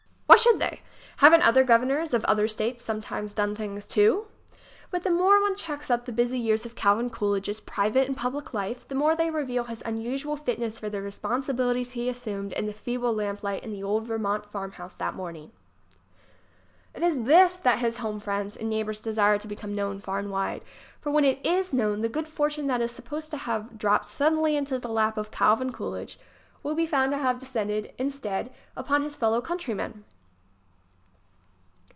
Why should they? Haven't other governors of other states sometimes done things, too? But the more one checks up the busy years of Calvin Coolidge's private and public life, the more they reveal his unusual fitness for the responsibil ities he assumed in the feeble lamplight in the old Vermont farmhouse that morning. It is this that his home friends and neighbors de sire to become known far and wide. For, when it is known, the good fortune that is supposed to have dropped suddenly into the lap of Calvin Coolidge will be found to have descended, instead, upon his fellow countrymen